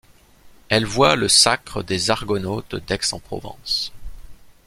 Elle voit le sacre des Argonautes d'Aix-en-Provence.